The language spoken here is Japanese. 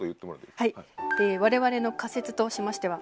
我々の仮説としましては